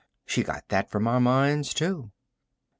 She got that from our minds, too."